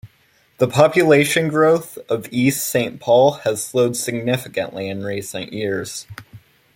The population growth of East Saint Paul has slowed significantly in recent years.